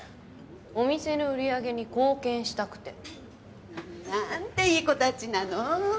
お店の売り上げに貢献したくて。なんていい子たちなの！